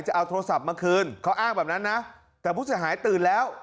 จะเอาโทรศัพท์มาคืนเขาอ้างแบบนั้นนะแต่ผู้เสียหายตื่นแล้ว